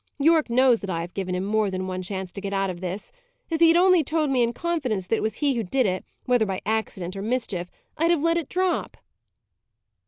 Yorke knows that I have given him more than one chance to get out of this. If he had only told me in confidence that it was he who did it, whether by accident or mischief, I'd have let it drop."